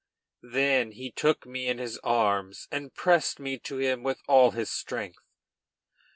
Then he took me in his arms and pressed me to him with all his strength.